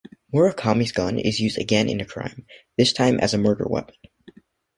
Murakami's gun is used again in a crime, this time as a murder weapon.